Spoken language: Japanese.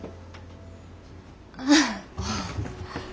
ああ。